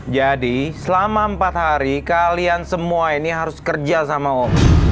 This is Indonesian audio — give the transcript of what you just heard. jadi selama empat hari kalian semua ini harus kerja sama om